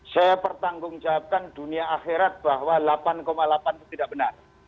saya pertanggungjawabkan dunia akhirat bahwa delapan delapan itu tidak benar